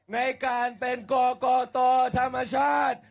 ในการเป็นก่อก่อต่อธรรมชาติ